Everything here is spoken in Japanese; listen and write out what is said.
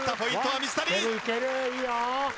水谷！